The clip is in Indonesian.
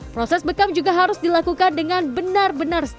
proses bekam juga harus dilakukan dengan benar benar